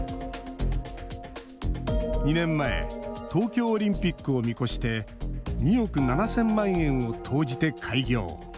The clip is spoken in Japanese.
２年前東京オリンピックを見越して２億７０００万円を投じて開業。